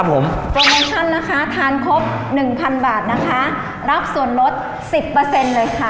โปรโมชั่นนะครับทานคบ๑๐๐๐บาทรับส่วนลด๑๐เลยครับ